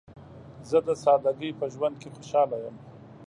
زه د سادګۍ په ژوند کې خوشحاله یم.